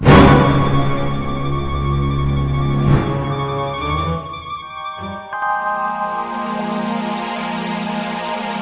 itu dia yang ditemani